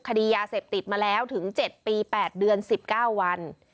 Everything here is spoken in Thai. คดียาเสพติดมาแล้วถึง๗ปี๘เดือน๑๙วัน